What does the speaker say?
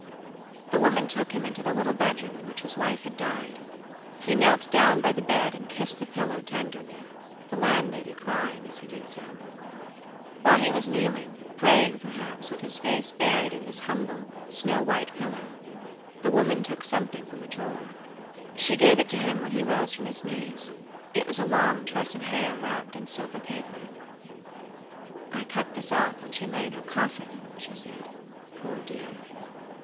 The woman took him into the little bedroom in which his wife had died. He knelt down by the bed and kissed the pillow tenderly, the landlady crying as he did so. While he was kneeling, praying, perhaps, with his face buried in this humble, snow white pillow, the woman took something from a drawer. She gave it to him when he rose from his knees; it was a long tress of hair wrapped in silver paper. "I cut this off when she lay in her coffin," she said, "poor dear?"